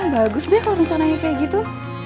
bagus deh kalau rencananya kayak gitu